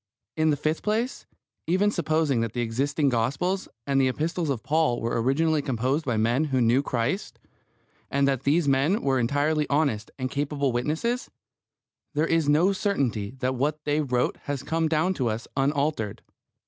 In the fifth place, even supposing that the existing Gospels and the Epistles of Paul were originally composed by men who knew Christ, and that these men were entirely honest and capable witnesses, there is no certainty that what they wrote has come down to us unaltered.